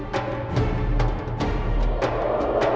ya allah ya tuhan